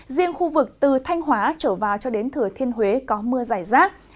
riêng khu vực từ thanh hóa trở vào cho đến thừa thiên huế có mưa giải rác